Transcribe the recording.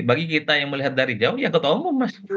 bagi kita yang melihat dari jauh ya ketua umum mas